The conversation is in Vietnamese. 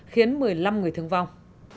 khiến một mươi năm người thương vong